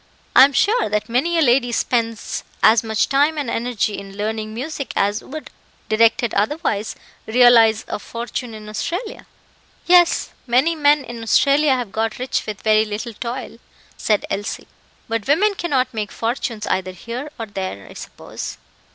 I am sure that many a lady spends as much time and energy in learning music as would, directed otherwise, realize a fortune in Australia." "Yes, many men in Australia have got rich with very little toil," said Elsie; "but women cannot make fortunes either here or there, I suppose."